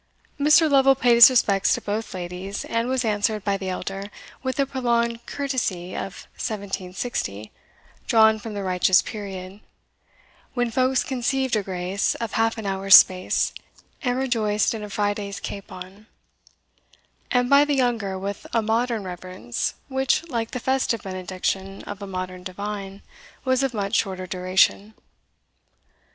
Mr. Lovel paid his respects to both ladies, and was answered by the elder with the prolonged courtesy of 1760, drawn from the righteous period, When folks conceived a grace Of half an hour's space, And rejoiced in a Friday's capon, and by the younger with a modern reverence, which, like the festive benediction of a modern divine, was of much shorter duration.